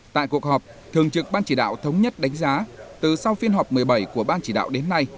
tại cuộc họp thường trực ban chỉ đạo thống nhất đánh giá từ sau phiên họp một mươi bảy của ban chỉ đạo đến nay